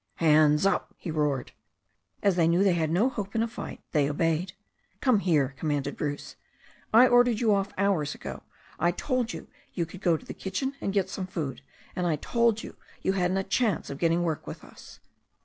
"Hands up!" he roared. As they knew they had no hope in a fight they obeyed. "Come here," commanded Bruce. "I ordered you off hours ago. I told you you could go to the kitchen and get some food. And I told you you hadn't a chance of getting work with us.